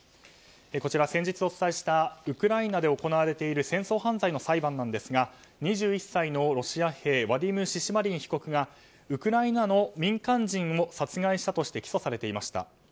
こちら、先日お伝えしたウクライナで行われている戦争犯罪の裁判なんですが２１歳のロシア兵ワディム・シシマリン被告がウクライナの民間人を殺害したとして起訴されていました。